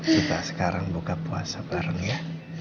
kita sekarang buka puasa bareng ya